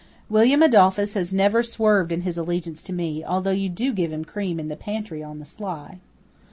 William Adolphus has never swerved in his allegiance to me, although you do give him cream in the pantry on the sly."